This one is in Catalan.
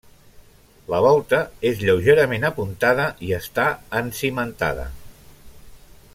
La volta és lleugerament apuntada i està encimentada.